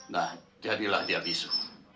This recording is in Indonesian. nah jadilah dia bisu